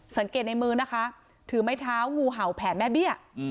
สังเกตในมือนะคะถือไม้เท้างูเห่าแผ่แม่เบี้ย